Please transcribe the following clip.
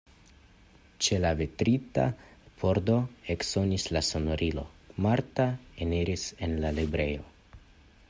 Ĉe la vitrita pordo eksonis la sonorilo, Marta eniris en la librejon.